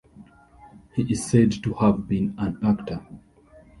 He is said to have been an actor.